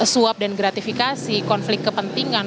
suap dan gratifikasi konflik kepentingan